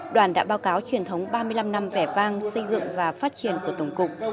đoàn đã báo cáo truyền thống ba mươi năm năm vẻ vang xây dựng và phát triển của tổng cục